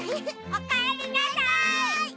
おかえりなさい！